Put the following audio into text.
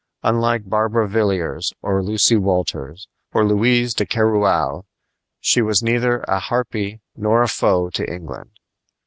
Unlike Barbara Villiers or Lucy Walters or Louise de Keroualle, she was neither a harpy nor a foe to England.